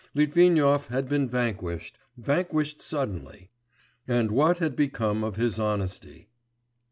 Litvinov had been vanquished, vanquished suddenly ... and what had become of his honesty?